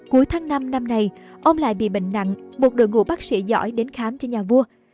cuối tháng năm năm nay ông lại bị bệnh nặng một đội ngũ bác sĩ giỏi đến khám cho nhà vua